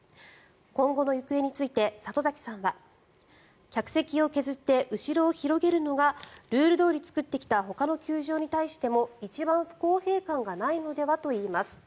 今後の行方について里崎さんは客席を削って後ろを広げるのがルールどおり作ってきたほかの球場に対しても一番、不公平感がないのではといいます。